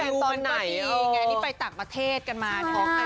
แล้วคุ้มวิวจากไหนนี่ไปตากประเทศกันมา